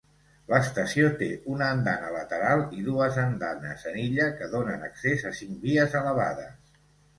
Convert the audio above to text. L'estació té una andana lateral i dues andanes en illa que donen accés a cinc vies elevades.